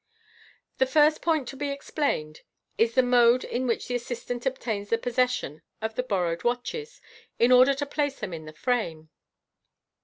The first point to be ex j Joined is the mode in which the assistant obtains pos session of the bor rowed watches, in order to place them in the frame.